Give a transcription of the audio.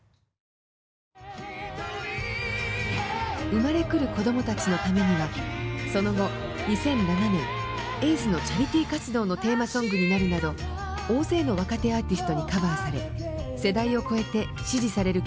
「生まれ来る子供たちのために」はその後２００７年エイズのチャリティー活動のテーマソングになるなど大勢の若手アーティストにカバーされ世代を超えて支持される曲となりました。